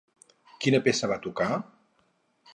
Quina peça va tocar?